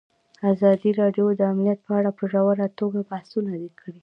ازادي راډیو د امنیت په اړه په ژوره توګه بحثونه کړي.